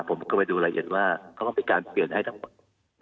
ผมก็ไปดูรายละเอียดว่าเขาก็มีการเปลี่ยนให้ทั้งหมด